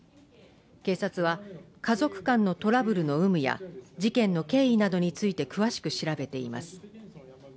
警察は家族間のトラブルの有無や事件の経緯などについて詳しく調べています。